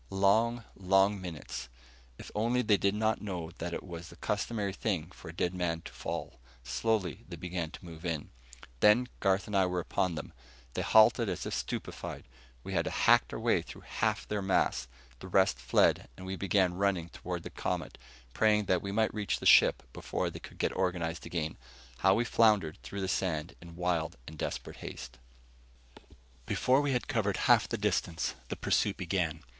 Long, long minutes.... If only they did not know that it was the customary thing for a dead man to fall.... Slowly they began to move in. Then Garth and I were upon them. They halted as if stupefied. We had hacked our way half through their mass. The rest fled, and we began running toward the Comet, praying that we might reach the ship before they could get organized again. How we floundered through the sand in wild and desperate haste. Before we had covered half the distance, the pursuit began.